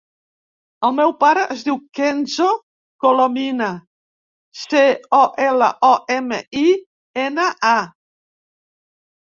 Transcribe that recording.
El meu pare es diu Kenzo Colomina: ce, o, ela, o, ema, i, ena, a.